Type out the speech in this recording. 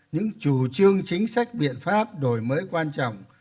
những chủ trương chính sách biện pháp đổi mới quan trọng